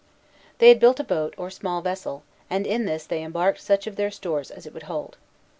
They had built a boat, or small vessel, and in this they embarked such of their stores as it would hold.